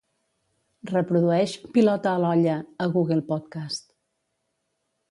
Reprodueix "Pilota a l'olla" a Google Podcast.